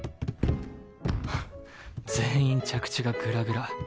ふっ全員着地がグラグラ。